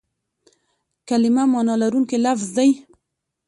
کلیمه مانا لرونکی لفظ دئ.